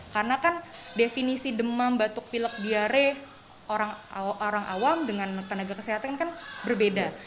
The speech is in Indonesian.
karena kan definisi demam batuk pilek atau diare orang awam dengan tenaga kesehatan kan berbeda